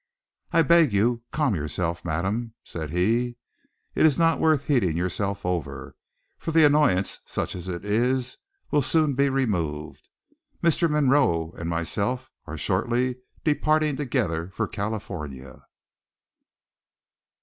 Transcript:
"I beg you, calm yourself, madam," said he; "it is not worth heating yourself over: for the annoyance, such as it is, will soon be removed. Mr. Munroe and myself are shortly departing together for California."